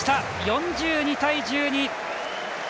４２対１２！